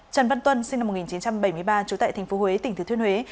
trần văn tuân sinh năm một nghìn chín trăm bảy mươi ba trú tại tp huế tỉnh thứ thuyên huế